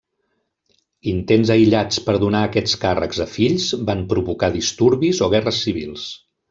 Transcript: Intents aïllats per donar aquests càrrecs a fills van provocar disturbis o guerres civils.